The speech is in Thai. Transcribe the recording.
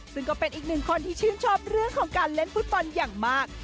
ซึ่งก็เป็นอีกหนึ่งคนที่ชื่นชอบเรื่องของการเล่นฟุตบอลอย่างมาก